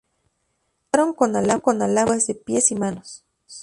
Lo ataron con alambre de púas de pies y manos.